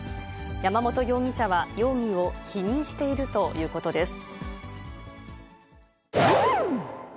山本容疑者は容疑を否認しているということです。